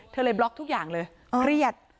เธอเลยบล็อกทุกอย่างเลย